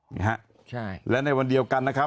นี่ฮะใช่และในวันเดียวกันนะครับ